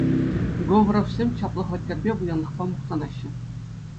Говоровсем чаплӑ хваттерпе, пуянлӑхпа мухтанаймаҫҫӗ.